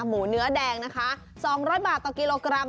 หมูเนื้อแดงนะคะ๒๐๐บาทต่อกิโลกรัม